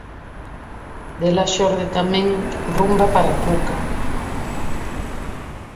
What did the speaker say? Dela xorde tamén "Rumba para Cuca".